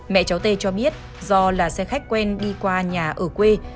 mẹ cháu tê cho biết do là xe khách quen đi qua nhà ở quê